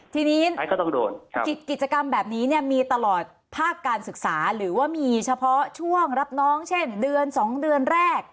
ทีนี้ก็ต้องโดนกิจกรรมแบบนี้เนี่ยมีตลอดภาคการศึกษาหรือว่ามีเฉพาะช่วงรับน้องเช่นเดือน๒เดือนแรก